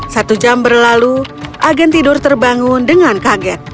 satu jam berlalu agen tidur terbangun dengan kaget